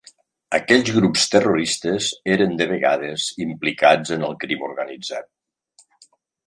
Aquells grups terroristes eren de vegades implicats en el crim organitzat.